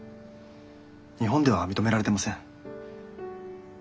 日本では認められてません。